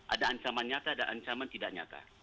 ada ancaman nyata dan ancaman tidak nyata